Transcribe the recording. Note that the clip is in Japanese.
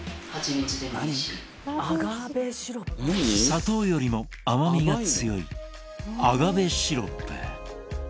砂糖よりも甘みが強いアガベシロップ。